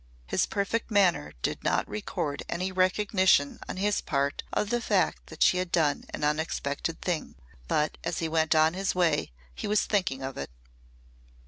His perfect manner did not record any recognition on his part of the fact that she had done an unexpected thing. But as he went on his way he was thinking of it.